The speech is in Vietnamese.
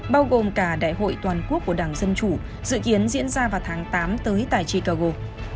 bao gồm cả đại hội toàn quốc của đảng dân chủ dự kiến diễn ra vào tháng tám tới tại chicago